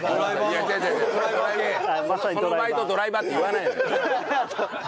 いやいやそのバイトドライバーって言わないのよ。